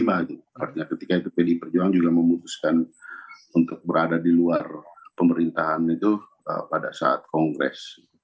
artinya ketika itu pdi perjuangan juga memutuskan untuk berada di luar pemerintahan itu pada saat kongres